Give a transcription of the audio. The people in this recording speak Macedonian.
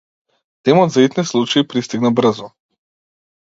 Тимот за итни случаи пристигна брзо.